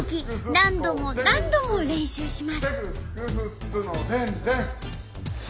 何度も何度も練習します。